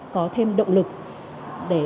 có thêm động lực để